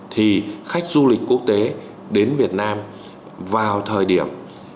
thì khách du lịch quốc tế đến việt nam vào thời điểm